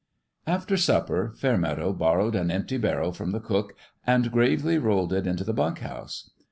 After supper, Fairmeadow borrowed an empty barrel from the cook, and gravely rolled it into the bunk house.